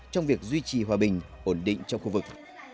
trong việc duy trì hòa bình ổn định trong khu vực